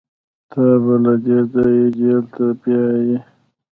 تا به له دې ځايه جېل ته بيايي.